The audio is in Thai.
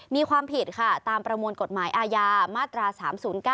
มีความผิดค่ะตามประมวลกฎหมายอาญามาตรา๓๐๙